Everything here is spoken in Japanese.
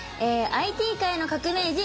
ＩＴ界の革命児